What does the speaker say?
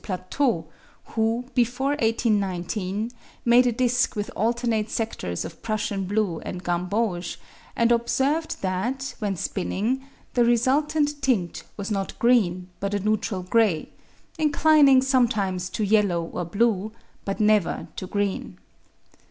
Plateau, who, before 1819, made a disc with alternate sectors of prussian blue and gamboge, and observed that, when spinning, the resultant tint was not green, but a neutral gray, inclining sometimes to yellow or blue, but never to green.